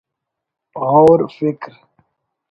غور فکر